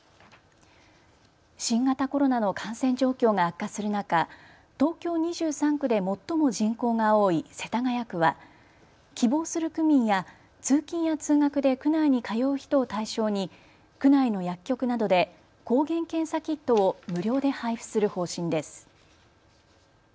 新型コロナの感染状況が悪化する中、東京２３区で最も人口が多い世田谷区は希望する区民や、通勤や通学で区内に通う人を対象に区内の薬局などで抗原検査キットを無料で配布する方針です。